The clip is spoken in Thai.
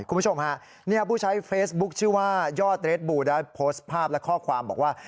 คุณผู้ชมฮะเนี่ยผู้ใช้เฟซบุ๊คชื่อว่ายอดเรสบูได้โพสต์ภาพและข้อความบอกว่า